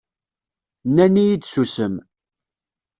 Nnan-iyi-d susem.